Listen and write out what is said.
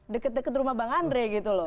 dekat dekat rumah bang andri gitu loh